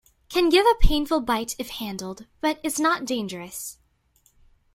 Can give a painful bite if handled, but is not dangerous.